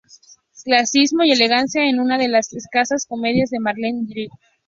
Clasicismo y elegancia en una de las escasas comedias de Marlene Dietrich.